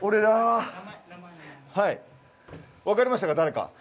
分かりましたか？